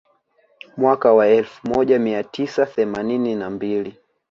Mwaka wa elfu moja mia tisa themanini na mbili